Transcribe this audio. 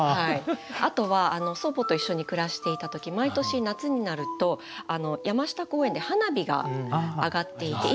あとは祖母と一緒に暮らしていた時毎年夏になると山下公園で花火が上がっていて。